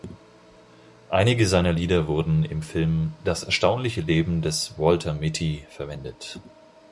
Einige seiner Lieder wurden im Film "Das erstaunliche Leben des Walter Mitty" verwendet.